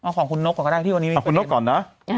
นอกก่อนนะอะไรนะ